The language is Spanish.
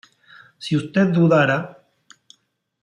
si usted dudara